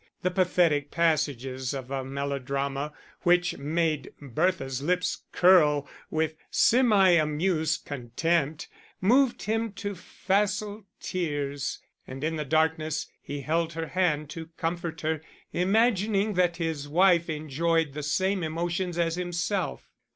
The pathetic passages of a melodrama, which made Bertha's lips curl with semi amused contempt, moved him to facile tears; and in the darkness he held her hand to comfort her, imagining that his wife enjoyed the same emotions as himself.